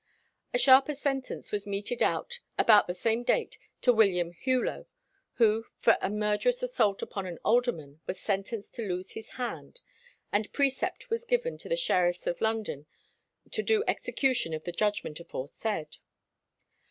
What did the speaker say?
A sharper sentence was meted out about the same date to William Hughlot, who for a murderous assault upon an alderman was sentenced to lose his hand, and precept was given to the sheriffs of London to do execution of the judgment aforesaid.